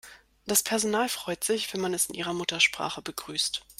Das Personal freut sich, wenn man es in ihrer Muttersprache begrüßt.